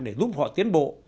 để giúp họ tiến bộ